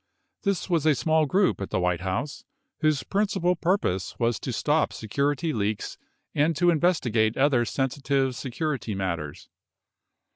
This was a small group at the White House whose principal purpose was to stop security leaks and to investigate other sensitive security matters.